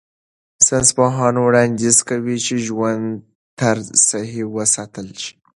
ساینسپوهان وړاندیز کوي چې ژوند طرز صحي وساتل شي.